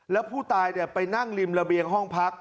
แล้วผู้ตายไปนั่งริมระเบียงห้องพัก